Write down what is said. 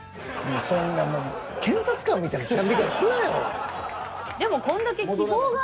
そんなもう検察官みたいなしゃべり方すなよ。